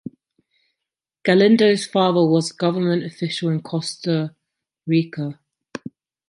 Galindo's father was a government official in Costa Rica.